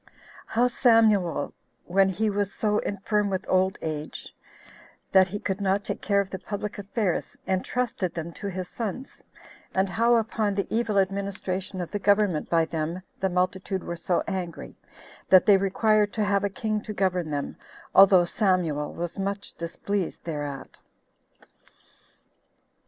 How Samuel When He Was So Infirm With Old Age That He Could Not Take Care Of The Public Affairs Intrusted Them To His Sons; And How Upon The Evil Administration Of The Government By Them The Multitude Were So Angry, That They Required To Have A King To Govern Them, Although Samuel Was Much Displeased Thereat.